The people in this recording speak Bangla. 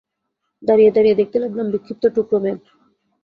দাঁড়িয়ে দাঁড়িয়ে দেখতে লাগলাম বিক্ষিপ্ত টুকরো মেঘ।